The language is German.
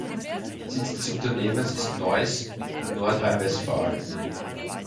Sitz des Unternehmens ist Neuss in Nordrhein-Westfalen.